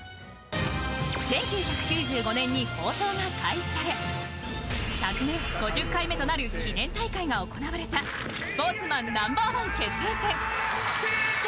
１９９５年に放送が開始され、昨年５０回目となる記念大会が行われた「スポーツマンＮｏ．１決定戦」。